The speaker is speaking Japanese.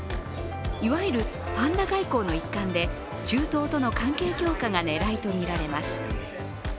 いわゆるパンダ外交の一環で中東との関係強化が狙いとみられます。